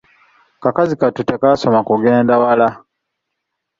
Kakazi kattu tekasoma kugenda wala.